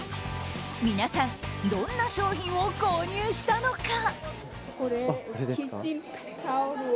皆さんどんな商品を購入したのか？